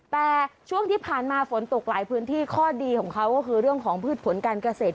แต่ช่วงที่ผ่านมาฝนตกหลายพื้นที่ข้อดีของเขาก็คือเรื่องของพืชผลการเกษตร